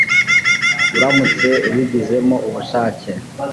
uramutse ubigizemo ubushake